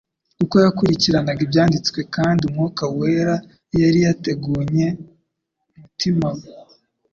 kuko yakurikiranaga Ibyanditswe kandi Umwuka wera yari yategunye umutima we